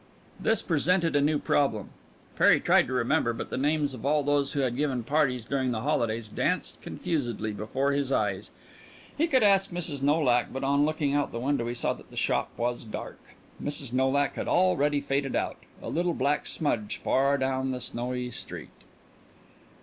This presented a new problem. Perry tried to remember, but the names of all those who had given parties during the holidays danced confusedly before his eyes. He could ask Mrs. Nolak, but on looking out the window he saw that the shop was dark. Mrs. Nolak had already faded out, a little black smudge far down the snowy street.